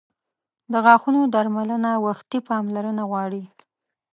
• د غاښونو درملنه وختي پاملرنه غواړي.